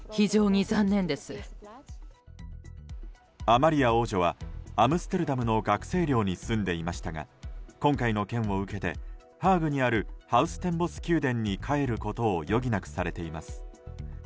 アマリア王女はアムステルダムの学生寮に住んでいましたが今回の件を受けて、ハーグにあるハウステンボス宮殿に帰ることを余儀なくされています。